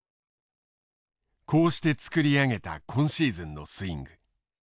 こうして作り上げた今シーズンのスイング。